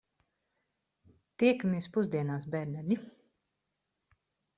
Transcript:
Tiekamies pusdienās, bērneļi.